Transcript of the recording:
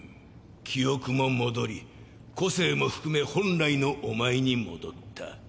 記憶も戻り個性も含め本来のおまえに戻った。